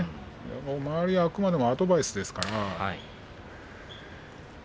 周りはあくまでアドバイスですね。